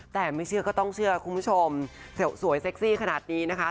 แต่ไม่เชื่อก็ต้องเชื่อคุณผู้ชมสวยเซ็กซี่ขนาดนี้นะคะ